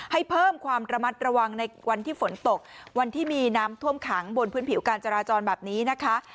ให้เพิ่มความระมัดระวังในวันที่ฝนตกวันที่มีน้ำท่วมขังบนพื้นผิวการจราจรแบบนี้นะคะ